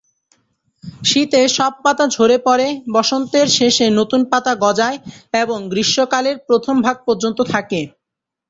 শীতে সব পাতা ঝরে পড়ে, বসন্তের শেষে নতুন পাতা গজায় এবং গ্রীষ্মকালের প্রথম ভাগ পর্যন্ত থাকে।।